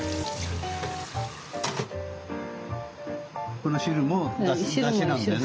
この汁もだしなんだよね。